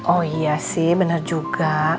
oh iya sih benar juga